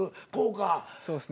そうですね